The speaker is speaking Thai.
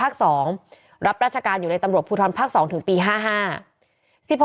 ตำรวจการตำรวจภูทรภาค๒รับราชการอยู่ในตำรวจภูทรภาค๒ถึงปี๕๕